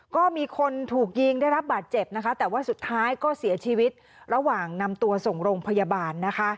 ก็มีคนถูกยิงได้รับบาดเจ็บนะคะแต่ว่าสุดท้ายก็เสียชีวิตระหว่างนำตัวส่งโรงพยาบาลนะคะ